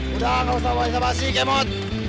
udah gak usah banyak banyak sih kemot